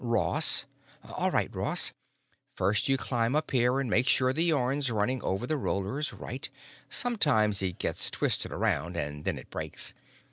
"Ross." "All right, Ross. First you climb up here and make sure the yarn's running over the rollers right; sometimes it gets twisted around and then it breaks.